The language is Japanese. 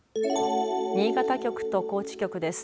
新潟局と高知局です。